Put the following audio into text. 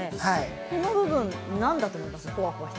この部分何だと思いますか。